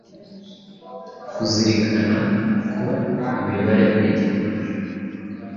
kuzirikana ko imibare ari igikoresho